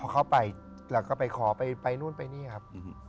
เข้าไปบอกไปขอไปนู่นไปนี่อะครับ